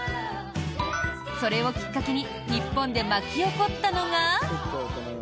それをきっかけに日本で巻き起こったのが。